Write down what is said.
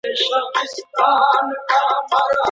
ولي مدام هڅاند د پوه سړي په پرتله ډېر مخکي ځي؟